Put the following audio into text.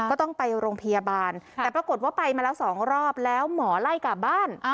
ก็ต้องไปโรงพยาบาลแต่ปรากฏว่าไปมาแล้ว๒รอบแล้วหมอไล่กลับบ้าน